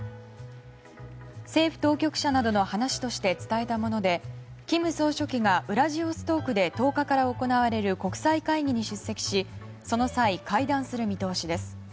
政府当局者などの話として伝えたもので金総書記がウラジオストクで１０日から行われる国際会議に出席しその際、会談する見通しです。